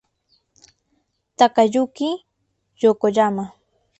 Takayuki Yokoyama